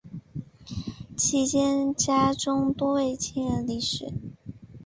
期间家中多位亲人离世。